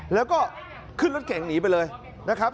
แล้วก็ขึ้นรถเก่งหนีไปเลยนะครับ